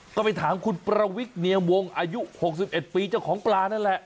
ก็ไปถามคุณประวิทเนียมวงอายุ๖๑ปีเจ้าของปลานั่นแหละ